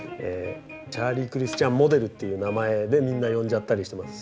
チャーリー・クリスチャン・モデルという名前でみんな呼んじゃったりしてます。